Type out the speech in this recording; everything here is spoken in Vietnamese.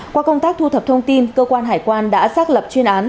qua công tác thu thập thông tin cơ quan hải quan đã xác lập chuyên án